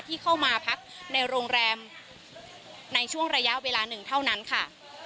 ที่เข้ามาพักในโรงแรมในช่วงระยะเวลาหนึ่งเท่านั้นค่ะ